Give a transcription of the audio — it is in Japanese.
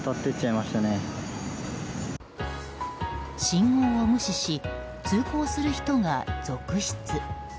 信号を無視し通行する人が続出。